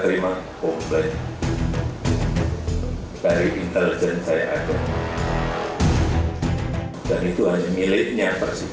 terima kasih sampai jumpa di videonin berikutnya